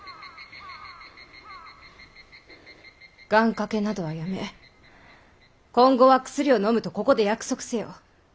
願かけなどはやめ今後は薬をのむとここで約束せよ。